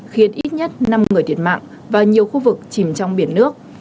khiến ít nhất năm người thiệt mạng và nhiều khu vực chìm trong biển nước